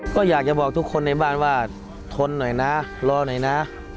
ก็อยากจะบอกทุกคนในบ้านว่าทนหน่อยนะรอหน่อยนะ